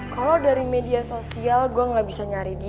kalau dari media sosial gue gak bisa nyari dia